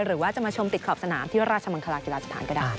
หรือว่าจะมาชมติดขอบสนามที่ราชมังคลากีฬาสถานก็ได้